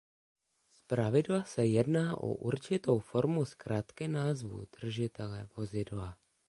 Zpravidla se jedná o určitou formu zkratky názvu držitele vozidla.